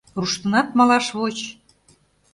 Руштынат, малаш воч!